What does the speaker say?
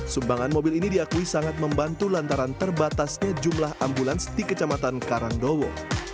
sumbangan mobil ini diakui sangat membantu lantaran terbatasnya jumlah ambulans di kecamatan karangdowo